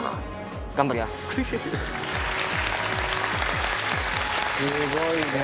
すごいね。